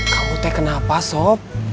kau teh kenapa sob